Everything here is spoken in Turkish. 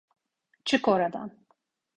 Çık oradan!